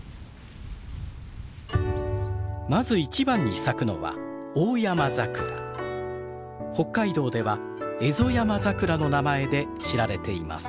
まず一番に咲くのは北海道ではエゾヤマザクラの名前で知られています。